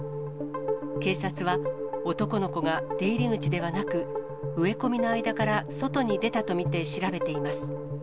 警察は、男の子が出入り口ではなく、植え込みの間から外に出たと見て調べています。